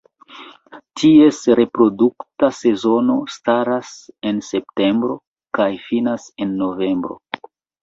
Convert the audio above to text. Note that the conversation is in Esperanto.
Ties reprodukta sezono startas en septembro kaj finas en novembro.